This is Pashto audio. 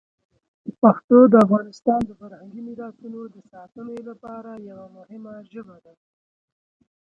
پښتو د افغانستان د فرهنګي میراتونو د ساتنې لپاره یوه مهمه ژبه ده.